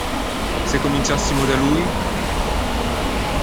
Se cominciassimo da lui?